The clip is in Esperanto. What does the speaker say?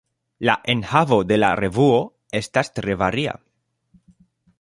La enhavo de la revuo estas tre varia.